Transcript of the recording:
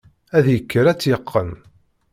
Ad yekker ad tt-yeqqen.